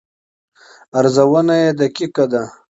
ارزونه یې دقیقه ده.